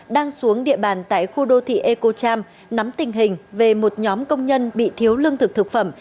đang xuống địa bàn tại khu đô thị ecocham nắm tình hình về một nhóm công nhân bị thiếu lương thực thực phẩm